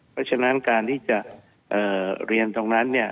เพราะฉะนั้นการที่จะเรียนตรงนั้นเนี่ย